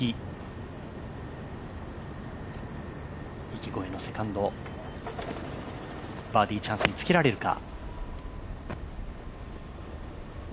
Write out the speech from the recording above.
池越えのセカンド、バーディーチャンスにつけられるか。